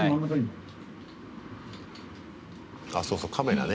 あ、そうそう、カメラね。